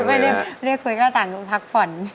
ไม่ได้คุยก็ต่างคุณพักฝน